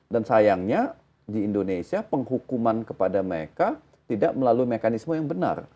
dan sayangnya di indonesia penghukuman kepada mereka tidak melalui mekanisme yang benar